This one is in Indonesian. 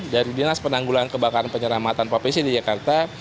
dari dinas penanggulangan kebakaran dan penyelamatan ppc di jakarta